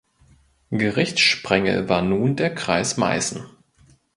Gerichtssprengel war nun der Kreis Meißen.